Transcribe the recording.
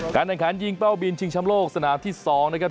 แข่งขันยิงเป้าบินชิงชำโลกสนามที่๒นะครับ